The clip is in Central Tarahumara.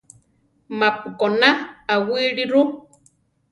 Ma-pu koná aʼwíli ru.